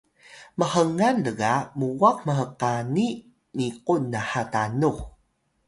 mhngan lga muwah mhkani niqun nha tanux